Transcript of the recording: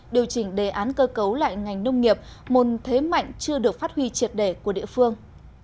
điều chỉnh đề án cơ cấu lại ngành nông nghiệp môn thế mạnh chưa được phát huy triệt đề của địa phương